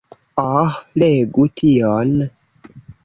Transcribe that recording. Oh, legu tion!